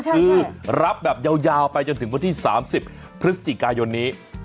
คือรับแบบยาวไปจนถึงวันที่๓๐พฤศจิกายนนี้